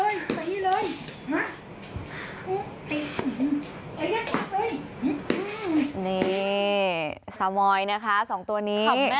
นี่สาโมยนะคะสองตัวนี้